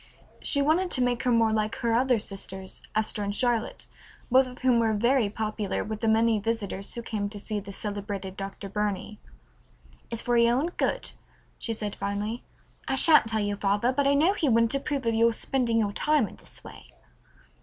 She wanted to make her more like her other sisters, Esther and Charlotte, both of whom were very popular with the many visitors who came to see the celebrated Dr. Burney. "It's for your own good," she said finally. "I shan't tell your father, but I know he wouldn't approve of your spending your time in this way."